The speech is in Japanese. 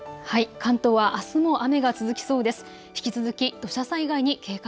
関東はあすも雨が続きそうです。